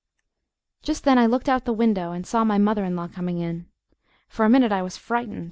Just then I looked out of the window and saw my mother in law coming in. For a minute I was frightened.